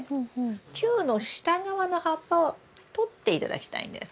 球の下側の葉っぱをとって頂きたいんです。